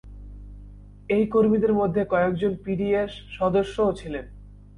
এই কর্মীদের মধ্যে কয়েকজন পিডিপিএ-র সদস্যও ছিলেন।